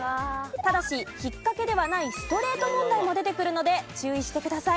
ただしひっかけではないストレート問題も出てくるので注意してください。